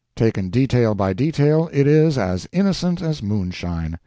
Taken detail by detail, it is as innocent as moonshine.